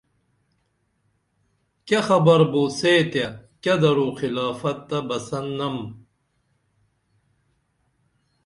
کیہ خبر بو سے تے کیہ درو خلافت تہ بسن نم